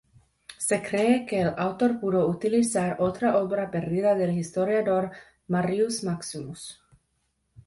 Se cree que el autor pudo utilizar otra obra perdida del historiador Marius Maximus.